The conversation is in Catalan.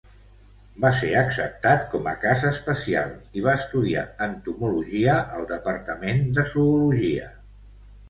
Va ser acceptat com a cas especial, i va estudiar entomologia al Departament de Zoologia.